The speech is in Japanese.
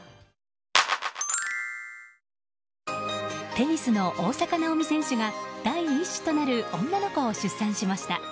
テニスの大坂なおみ選手が第１子となる女の子を出産しました。